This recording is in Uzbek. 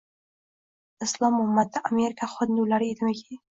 Islom ummati Amerika hindulari edimiki